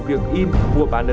việc in mua bán điện thoại